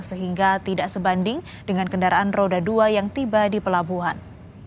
sehingga tidak sebanding dengan kendaraan roda dua yang tiba di pelabuhan